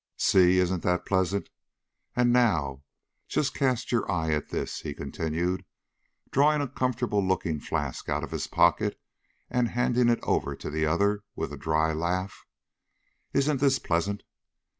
"See! isn't that pleasant? And now, just cast your eye at this!" he continued, drawing a comfortable looking flask out of his pocket and handing it over to the other with a dry laugh. "Isn't this pleasant?"